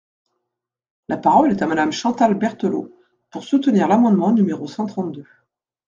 La parole est à Madame Chantal Berthelot, pour soutenir l’amendement numéro cent trente-deux.